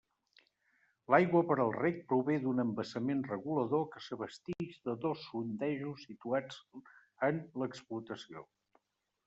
L'aigua per al reg prové d'un embassament regulador que s'abastix de dos sondejos situats en l'explotació.